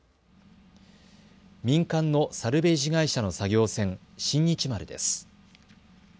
民間のサルベージ会社の作業船、新日丸です。